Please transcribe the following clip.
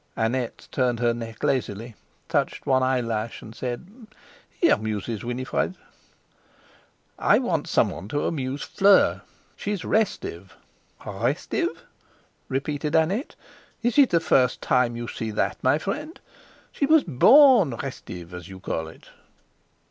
Annette turned her neck lazily, touched one eyelash, and said: "He amuses Winifred." "I want some one to amuse Fleur; she's restive." "R restive?" repeated Annette. "Is it the first time you see that, my friend? She was born r restive, as you call it."